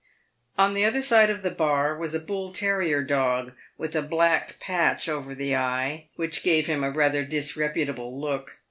On the other side of the bar was a bull terrier dog, with a black patch over the eye, which gave him rather a disreputable look.